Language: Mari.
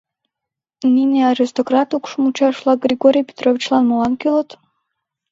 Нине аристократ укш мучаш-влак Григорий Петровичлан молан кӱлыт?..